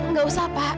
nggak usah pak